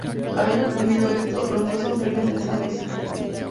Habiendo entendido esto, los dos son felices besándose.